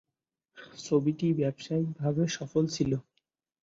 ছবিটি ব্যবসায়িক ভাবে সফল ছিল।